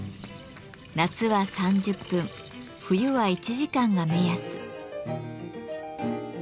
夏は３０分冬は１時間が目安。